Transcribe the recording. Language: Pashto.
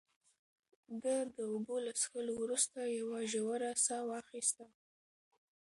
ده د اوبو له څښلو وروسته یوه ژوره ساه واخیسته.